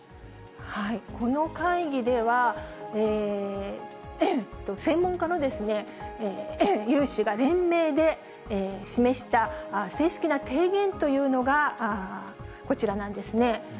この会議では、専門家の有志が連名で示した、正式な提言というのがこちらなんですね。